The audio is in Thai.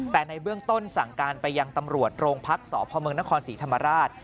แต่ในเบื้องต้นสั่งการไปยังตำรวจโรงพักษ์สพเมืองนครศรีธรรมราช